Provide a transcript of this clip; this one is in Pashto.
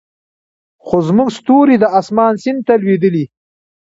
خو زموږ ستوري د اسمان سیند ته لویدلې